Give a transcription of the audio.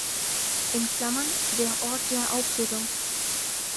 In Klammern der Ort der Aufführung.